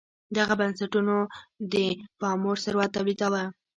دغو بنسټونو د پاموړ ثروت تولیداوه.